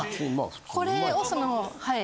これをそのはい。